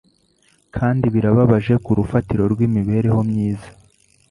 Kandi birababaje ku rufatiro rwimibereho myiza.